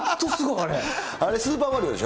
あれ、スーパーマリオでしょ。